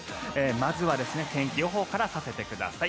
まずは天気予報からさせてください。